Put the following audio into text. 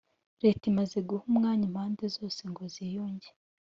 leta imaze guha umwanya impande zose ngo ziyunge.